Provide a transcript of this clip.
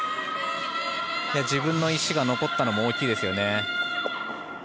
自分の石が残ったのも大きいですよね。